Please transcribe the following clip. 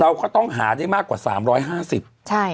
เราก็ต้องหาได้มากกว่าสามร้อยห้าสิบใช่